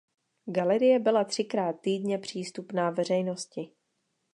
Galerie byla třikrát týdně přístupná veřejnosti.